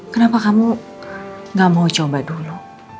kenapa kamu gak mau coba dulu